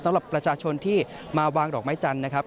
สำหรับประชาชนที่มาวางดอกไม้จันทร์นะครับ